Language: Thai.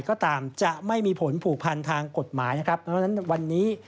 ก็ตามจะไม่มีผลผูกพันทางกฎหมายนะครับเพราะฉะนั้นวันนี้